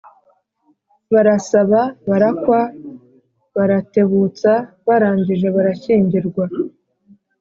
barasaba, barakwa, baratebutsa, barangije barashyingirwa